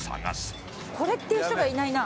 これっていう人がいないな。